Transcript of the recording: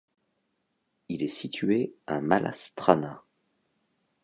Il est situé à Malá Strana.